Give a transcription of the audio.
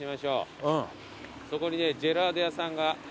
そこにねジェラート屋さんが。